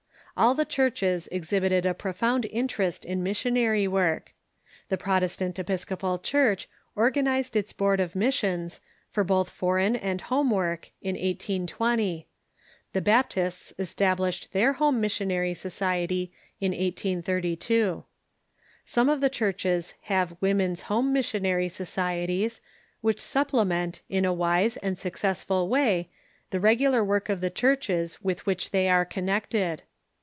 All the churches exhibited a profound interest in mis sionary work. The Protestant Episcopal Church organized its Board of Missions, for both foreign and home work, in 1820 ; the Baptists established their Plome Missionary Society in 1832. Some of the churches have Women's Home Mission ary Societies which supplement, in a Avise and successful way, the regular work of the churches with which they are con nected.